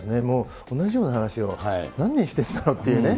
同じような話を、何年しているんだろうっていうね。